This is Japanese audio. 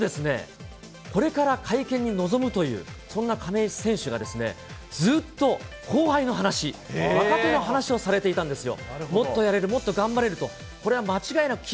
これから会見に臨むという、そんな亀井選手が、ずっと後輩の話、若手の話をされていたんですよ。